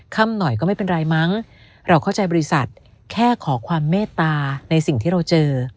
หน่อยก็ไม่เป็นไรมั้งเราเข้าใจบริษัทแค่ขอความเมตตาในสิ่งที่เราเจอ